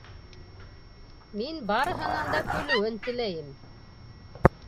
Мин барыһының да көлөүен теләйем.